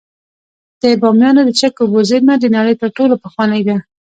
د بامیانو د چک اوبو زیرمه د نړۍ تر ټولو پخوانۍ ده